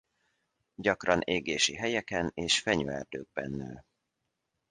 Gyakran égési helyeken és fenyőerdőkben nő.